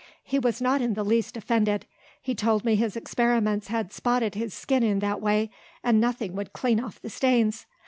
He was not in the least offended; he told me his experiments had spotted his skin in that way, and nothing would clean off the stains.